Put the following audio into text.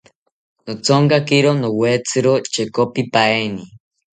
Nothonkakiro nowetziro chekopipaeni